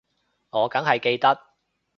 我梗係記得